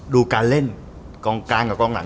ดูการเล่นกองกลางกับกองหลัง